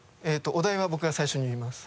お題は僕が最初に言います。